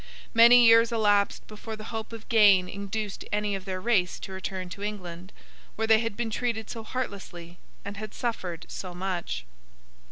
Many years elapsed before the hope of gain induced any of their race to return to England, where they had been treated so heartlessly and had suffered so much.